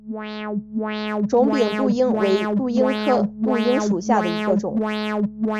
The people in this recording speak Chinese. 肿柄杜英为杜英科杜英属下的一个种。